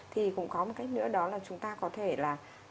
thì cũng có một cách nữa đó là chúng ta có thể là